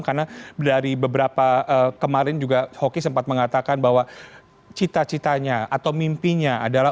karena dari beberapa kemarin juga hoki sempat mengatakan bahwa cita citanya atau mimpinya adalah